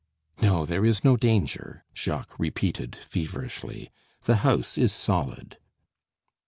"No, there is no danger," Jacques repeated feverishly. "The house is solid."